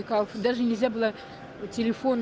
waktu itu tidak bisa berhenti memulai telepon